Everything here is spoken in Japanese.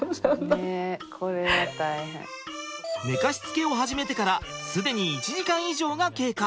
寝かしつけを始めてから既に１時間以上が経過！